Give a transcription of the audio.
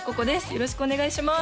よろしくお願いします